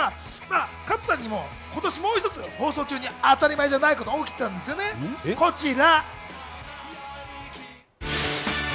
加藤さんには今年もう一つ放送中に当たり前じゃないことが起きてたんですよね、こちら。